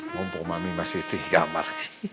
mumpung mami masih di kamar